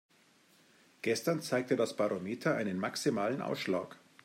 Gestern zeigte das Barometer einen maximalen Ausschlag.